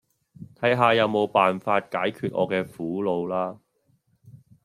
睇下有冇辦法解決我嘅苦惱啦